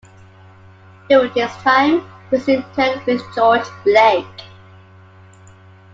During this time he was interned with George Blake.